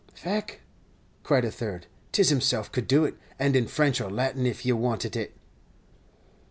"Faix," cried a third, "'tis himself could do it, and in Frinch or Latin if ye wanted it."